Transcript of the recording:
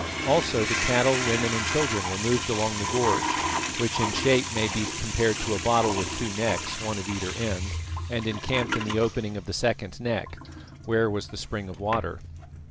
Also the cattle, women and children were moved along the gorge, which in shape may be compared to a bottle with two necks, one at either end, and encamped in the opening of the second neck, where was the spring of water.